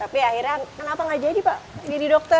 tapi akhirnya kenapa gak jadi pak